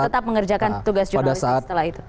tetap mengerjakan tugas jurnalistik setelah itu